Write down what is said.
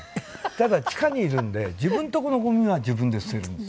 ただ地下にいるんで自分のとこのごみは自分で捨てるんですよ。